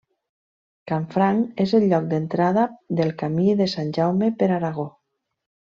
Canfranc és el lloc d'entrada del Camí de Sant Jaume per Aragó.